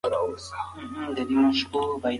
نه چاپیریال ته او نه انسان ته.